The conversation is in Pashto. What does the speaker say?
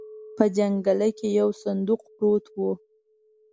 په جنګله کې يو صندوق پروت و.